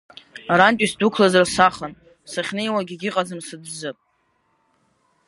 Арантәи сдәықәлазар сахан, сахьнеиуагь егьыҟаӡам сыӡӡап.